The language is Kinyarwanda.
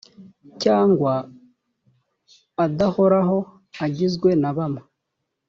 cyangwa adahoraho agizwe na bamwe